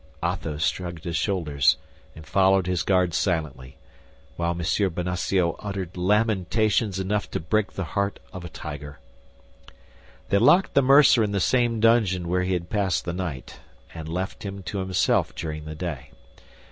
Athos shrugged his shoulders, and followed his guards silently, while M. Bonacieux uttered lamentations enough to break the heart of a tiger. They locked the mercer in the same dungeon where he had passed the night, and left him to himself during the day.